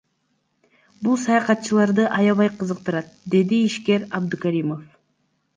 Бул саякатчыларды аябай кызыктырат, — деди ишкер Абдукаримов.